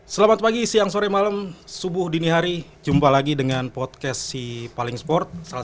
selamat pagi siang sore malam subuh dini hari jumpa lagi dengan podcast si paling sport salah